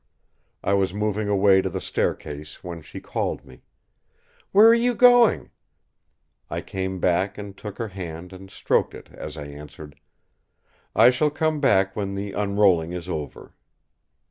I was moving away to the staircase when she called me: "Where are you going?" I came back and took her hand and stroked it as I answered: "I shall come back when the unrolling is over!"